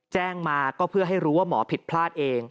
แจ้งมาก็เพื่อให้รู้ว่าหมอผิดพลาดเอง